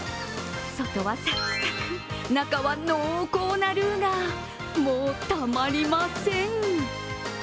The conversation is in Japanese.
外はサクサク、中は濃厚なルーがもう、たまりません。